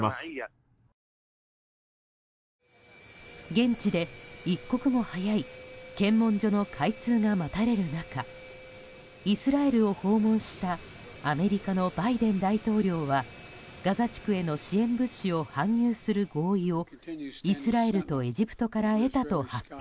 現地で、一刻も早い検問所の開通が待たれる中イスラエルを訪問したアメリカのバイデン大統領はガザ地区への支援物資を搬入する合意をイスラエルとエジプトから得たと発表。